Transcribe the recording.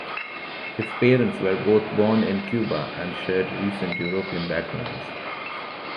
His parents were both born in Cuba and shared recent European backgrounds.